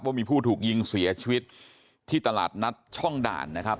ว่ามีผู้ถูกยิงเสียชีวิตที่ตลาดนัดช่องด่านนะครับ